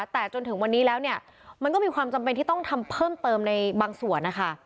แต่จนถึงวันนี้แล้วเนี่ยมันก็มีความจำเป็นที่ต้องทำเพิ่มเติมในบางส่วนนะคะ